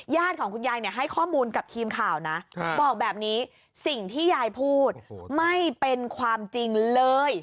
ของคุณยายให้ข้อมูลกับทีมข่าวนะบอกแบบนี้สิ่งที่ยายพูดไม่เป็นความจริงเลย